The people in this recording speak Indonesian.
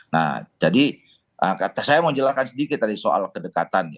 nah jadi saya mau jelaskan sedikit tadi soal kedekatan